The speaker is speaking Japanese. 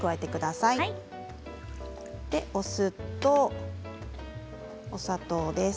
それでお酢とお砂糖です。